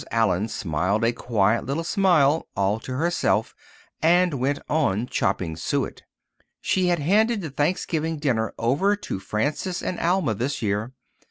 Allen smiled a quiet little smile all to herself and went on chopping suet. She had handed the Thanksgiving dinner over to Frances and Alma this year.